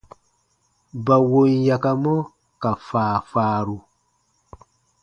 Ba wom yakamɔ ka faafaaru.